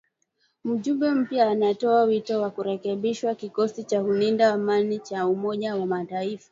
Mjumbe mpya anatoa wito wa kurekebishwa kikosi cha kulinda amani cha Umoja wa Mataifa .